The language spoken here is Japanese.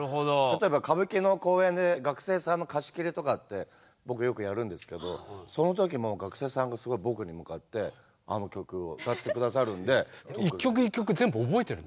例えば歌舞伎の公演で学生さんの貸し切りとかって僕よくやるんですけどその時も学生さんがすごい僕に向かってあの曲を歌って下さるんで。